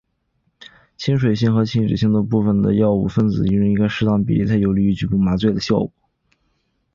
亲脂性和亲水性的部分在药物分子中应该是适当比例的才有利于局部麻醉效果的产生。